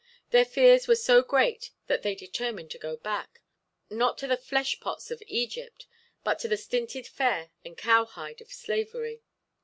Their fears were so great that they determined to go back—not to the "flesh pots of Egypt," but to the stinted fare and cowhide of slavery.